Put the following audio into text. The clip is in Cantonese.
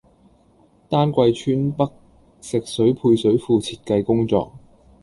丹桂村北食水配水庫設計工作